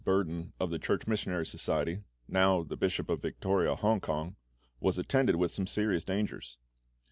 Burden of the Church Missionary Society (now the Bishop of Victoria, Hong kong) was attended with some serious dangers.